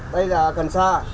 đây là cansa